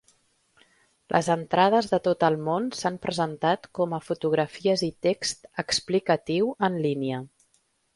Les entrades de tot el món s'han presentat com a fotografies i text explicatiu en línia.